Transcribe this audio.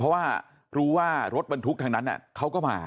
เพราะว่ารู้ว่ารถบรรทุกทางนั้นเขาก็มา